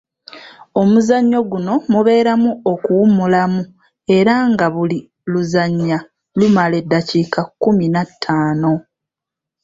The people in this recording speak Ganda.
Omuzannyo guno mubeeramu okuwummulamu era nga buli luzannya lumala eddakiika kkumi na ttaano.